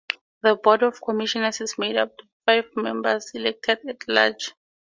The Board of Commissioners is made up of five members elected at-large.